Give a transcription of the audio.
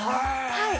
はい。